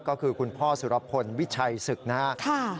ก็คือคุณพ่อสุรพลวิชัยศึกนะครับ